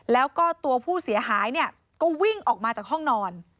แล้วก็ตัวผู้เสียหายเนี่ยก็วิ่งออกมาจากห้องนอน